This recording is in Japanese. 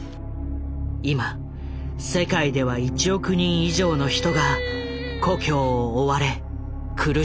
今世界では１億人以上の人が故郷を追われ苦しんでいる。